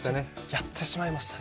やってしまいましたね。